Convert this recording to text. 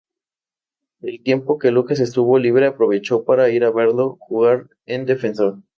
El tiempo que Lucas estuvo libre aprovechó para ir a verlo jugar en Defensor.